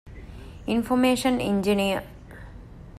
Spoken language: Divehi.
އިންފޮރމޭޝަން އިންޖިނިއަރ